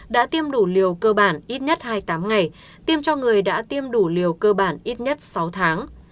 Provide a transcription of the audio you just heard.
đã tiêm đủ liều cơ bản ít nhất hai mươi tám ngày tiêm cho người đã tiêm đủ liều cơ bản ít nhất sáu tháng